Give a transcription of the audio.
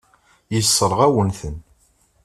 Yessṛeɣ-awen-ten.